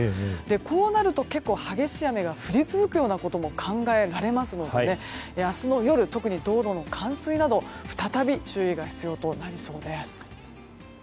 こうなると結構激しい雨が降り続くことも考えられますので明日の夜、特に道路の冠水など再び注意が必要となりそうです。